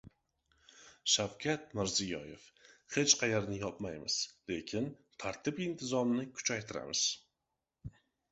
Shavkat Mirziyoyev: Hech qayerni yopmaymiz, lekin tartib-intizomni kuchaytiramiz